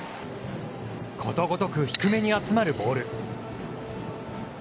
ことごとく低めに集まるボール。